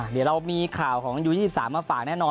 เดี๋ยวเรามีข่าวของยู๒๓มาฝากแน่นอน